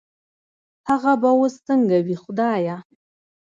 هغه به وس سنګه وي خدايه